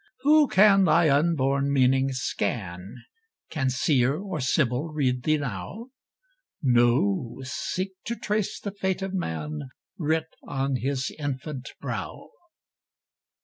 Who can thy unborn meaning scan? Can Seer or Sibyl read thee now? No, seek to trace the fate of man Writ on his infant brow.